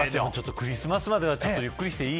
クリスマスまではゆっくりしていい。